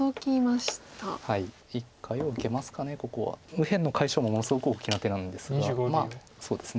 右辺の解消もものすごく大きな手なんですがまあそうですね。